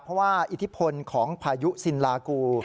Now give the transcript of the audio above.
เพราะว่าอิทธิพลของพายุสินลากู